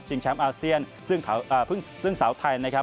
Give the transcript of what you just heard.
จึงแชมป์อาเซียนซึ่งเผาอ่าซึ่งสาวไทยนะครับ